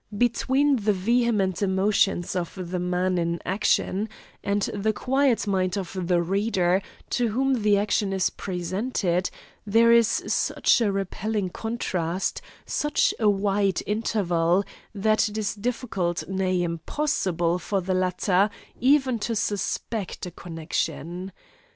Between the vehement emotions of the man in action, and the quiet mind of the reader, to whom the action is presented, there is such a repelling contrast, such a wide interval, that it is difficult, nay, impossible for the latter, even to suspect a connexion.